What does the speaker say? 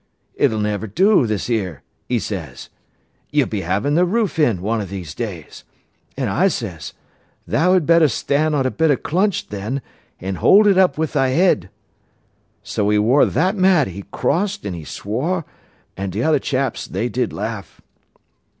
'It'll never do, this 'ere,' 'e says. 'You'll be havin' th' roof in, one o' these days.' An' I says, 'Tha'd better stan' on a bit o' clunch, then, an' hold it up wi' thy 'ead.' So 'e wor that mad, 'e cossed an' 'e swore, an' t'other chaps they did laugh."